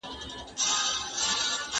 وړین ټوکران له پنجاب نه راځي.